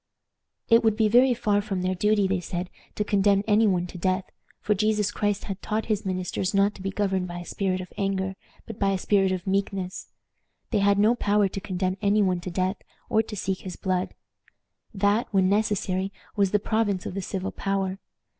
It would be very far from their duty, they said, to condemn any one to death, for Jesus Christ had taught his ministers not to be governed by a spirit of anger, but by a spirit of meekness. They had no power to condemn any one to death, or to seek his blood. That, when necessary, was the province of the civil power.